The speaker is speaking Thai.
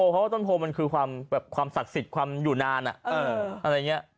เพราะว่าต้นโพมันคือความศักดิ์สิทธิ์ความอยู่นานอะไรอย่างนี้